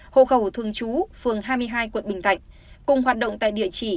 hồ khẩu thường chú phường hai mươi hai quận bình thạnh cùng hoạt động tại địa chỉ hai trăm sáu mươi một